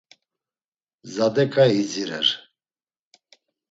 Zade ǩai idzirer.